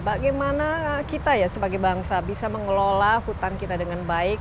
bagaimana kita ya sebagai bangsa bisa mengelola hutan kita dengan baik